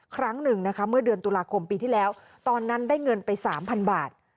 ครั้งหนึ่งนะคะเมื่อเดือนตุลาคมปีที่แล้วตอนนั้นได้เงินไป๓๐๐บาท